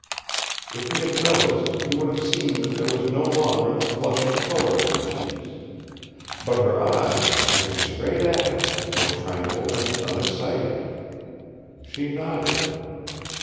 If he had noticed, he would have seen that there was no longer the flush of color in her cheeks. But her eyes, looking straight at him, were tranquil and unexcited. She nodded.